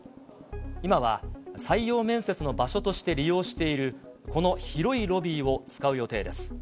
今は採用面接の場所として利用している、この広いロビーを使う予定です。